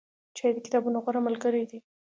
چای د کتابونو غوره ملګری دی.